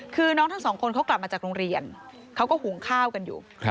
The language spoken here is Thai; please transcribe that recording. คือน้องทั้งสองคนเขากลับมาจากโรงเรียนเขาก็หุงข้าวกันอยู่